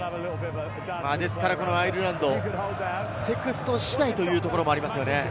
アイルランド、セクストン次第というところもありますね。